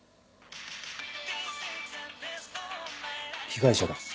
被害者だ。